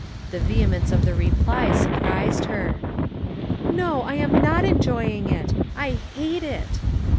The vehemence of the reply surprised her. "No, I am not enjoying it; I hate it."